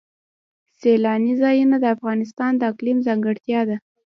سیلانی ځایونه د افغانستان د اقلیم ځانګړتیا ده.